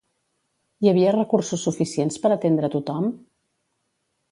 Hi havia recursos suficients per atendre tothom?